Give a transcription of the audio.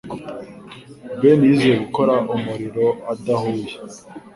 Ben yize gukora umuriro udahuye.